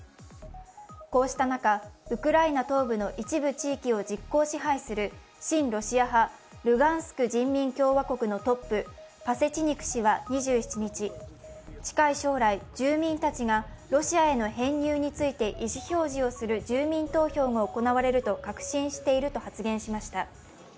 こうした中、ウクライナ東部の一部地域を実効支配する親ロシア派、ルガンスク人民共和国のトップ、パセチニク氏は２７日、近い将来、住民たちがロシアへの編入について意思表示をする住民投票が行われると確信していると発言しました。